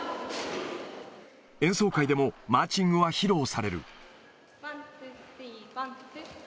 演奏会でもマーチングは披露される。